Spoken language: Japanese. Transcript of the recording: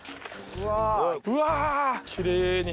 うわ！